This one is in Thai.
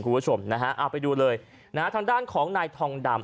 คุณผู้ชมนะฮะเอาไปดูเลยนะฮะทางด้านของนายทองดำ